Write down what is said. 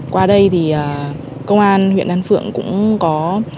qua đây thì công an huyện đan phượng cũng có